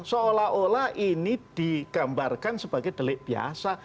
seolah olah ini digambarkan sebagai delik biasa